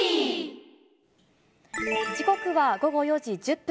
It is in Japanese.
時刻は午後４時１０分。